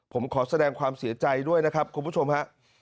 ผมขอแสดงความเสียใจด้วยนะครับคุณผู้ชมฮะ